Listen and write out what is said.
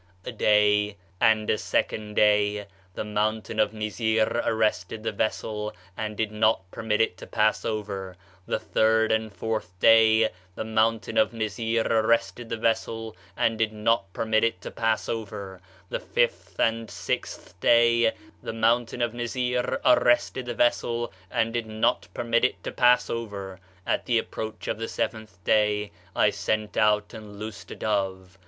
A day and a second day the mountain of Nizir arrested the vessel, and did not permit it to pass over; the third and fourth day the mountain of Nizir arrested the vessel, and did not permit it to pass over; the fifth and sixth day the mountain of Nizir arrested the vessel, and did not permit it to pass over. At the approach of the seventh day, I sent out and loosed a dove.